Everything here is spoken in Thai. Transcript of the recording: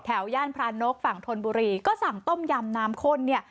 ย่านพระนกฝั่งธนบุรีก็สั่งต้มยำน้ำข้นเนี่ย